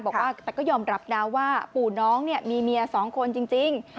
บอกว่าแต่ก็ยอมรับนะว่าปู่น้องมีเมียสองคนจริง